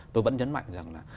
tôi vẫn nhấn mạnh rằng là